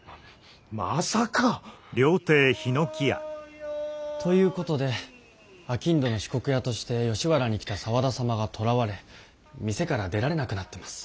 まさか。ということで商人の四国屋として吉原に来た沢田様が捕らわれ見世から出られなくなってます。